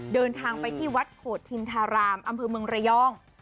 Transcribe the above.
เดินทางไปที่วัดโขดทินธารามอำเภอเมืองระยอง